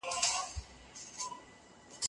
ناپاک ځایونه ځینې خلکو ته عادي کېږي.